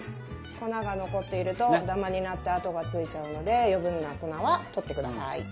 粉が残っているとダマになって跡がついちゃうので余計な粉はとってください。